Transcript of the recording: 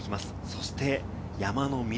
そして山の緑。